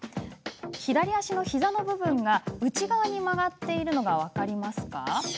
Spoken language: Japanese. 左足の膝の部分が内側に曲がっているのが分かりますか？